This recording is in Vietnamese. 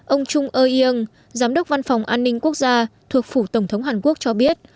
ông chung eung giám đốc văn phòng an ninh quốc gia thuộc phủ tổng thống hàn quốc cho biết